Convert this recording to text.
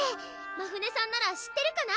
まふねさんなら知ってるかな？